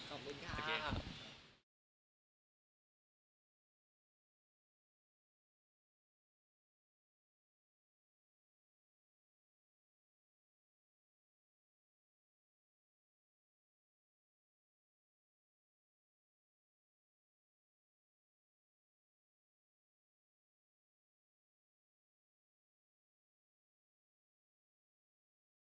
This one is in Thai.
ขอบคุณครับ